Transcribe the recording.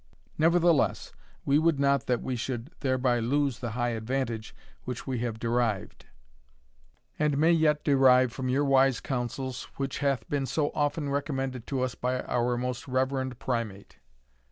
Nevertheless, we would not that we should thereby lose the high advantage which we have derived, and may yet derive, from your wise counsels, which hath been so often recommended to us by our most reverend Primate.